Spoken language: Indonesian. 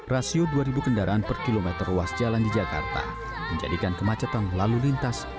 rasio dua ribu kendaraan per kilometer ruas jalan di jakarta menjadikan kemacetan lalu lintas